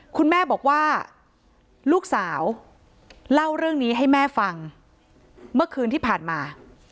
คุณแม่บอกว่าลูกสาวเล่าเรื่องนี้ให้แม่ฟังเมื่อคืนที่ผ่านมา